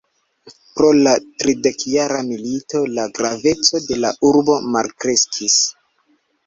Pro la Tridekjara milito la graveco de la urbo malkreskis.